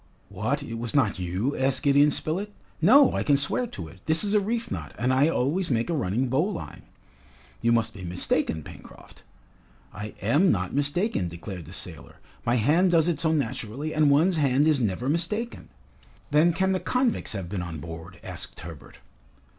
"What, it was not you?" asked Gideon Spilett. "No! I can swear to it. This is a reef knot, and I always make a running bowline." "You must be mistaken, Pencroft." "I am not mistaken!" declared the sailor. "My hand does it so naturally, and one's hand is never mistaken!" "Then can the convicts have been on board?" asked Herbert.